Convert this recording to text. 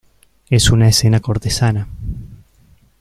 Es una escena cortesana.